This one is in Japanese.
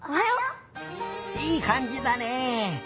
いいかんじだね。